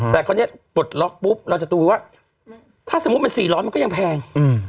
แต่พอปลดล็อกปุ๊บเราจะดูว่าถ้าสมมุติมันสีร้อนมันก็ยังแพง